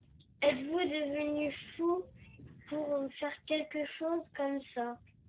Êtes-vous devenu fou pour faire quelque chose comme ça ?